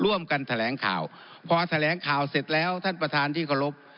ร่วมกันแถลงข่าวพอแถลงข่าวเสร็จแล้วท่านประธานที่เคารพ